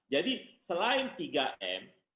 jadi selain tiga m